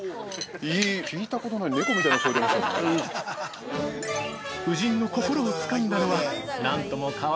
◆聞いたことない猫みたいな声出ましたよ。